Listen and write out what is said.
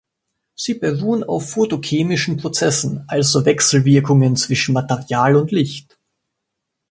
Sie beruhen auf photochemischen Prozessen, also Wechselwirkungen zwischen Material und Licht.